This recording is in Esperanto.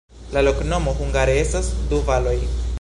La loknomo hungare estas: du valoj.